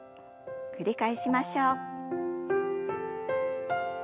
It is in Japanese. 繰り返しましょう。